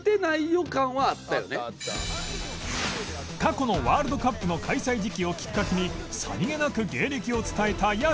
過去のワールドカップの開催時期をきっかけにさりげなく芸歴を伝えた屋敷